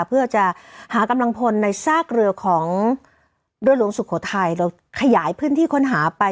เพื่อจะหากำลังพลในซากเรือของเรือหลวงสุโขทัยเราขยายพื้นที่ค้นหาไป